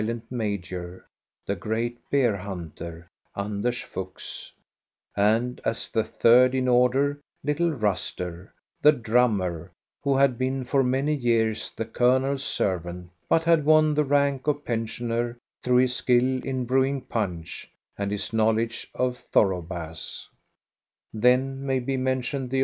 J CHRISTMAS EVE 37 major, the great bear hunter, Anders Fuchs; and, as the third in order, little Ruster, the drummer, who had been for many years the colonel's servant, but had won the rank of pensioner through his skill in brewing punch and his knowledge of thorough bass. ' Then may be mentioned the.